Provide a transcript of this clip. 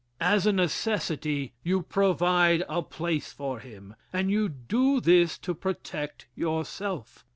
As a necessity, you provide a place for him. And you do this to protect yourself.